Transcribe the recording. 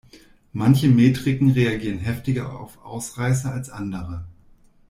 Manche Metriken reagieren heftiger auf Ausreißer als andere.